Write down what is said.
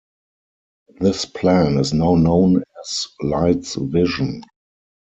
This plan is now known as "Light's Vision".